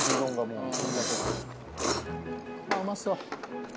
うまそう。